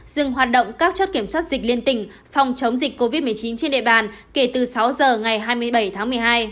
dừng hoạt động các chốt kiểm soát dịch liên tỉnh phòng chống dịch covid một mươi chín trên địa bàn kể từ sáu giờ ngày hai mươi bảy tháng một mươi hai